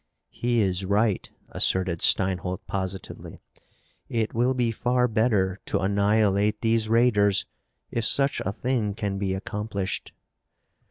"He is right!" asserted Steinholt positively. "It will be far better to annihilate these raiders, if such a thing can be accomplished!"